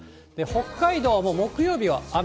北海道はもう木曜日は雨。